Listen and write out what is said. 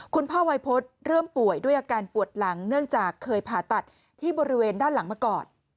พ่อวัยพฤษเริ่มป่วยด้วยอาการปวดหลังเนื่องจากเคยผ่าตัดที่บริเวณด้านหลังมาก่อน